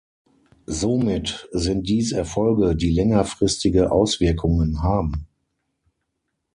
Somit sind dies Erfolge, die längerfristige Auswirkungen haben.